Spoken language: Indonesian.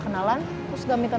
atau terus bingung gimana